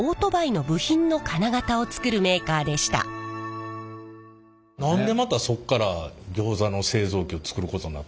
もともとは何でまたそっからギョーザの製造機を作ることになったんですか？